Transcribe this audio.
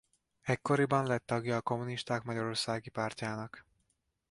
Ekkoriban lett tagja a Kommunisták Magyarországi Pártjának.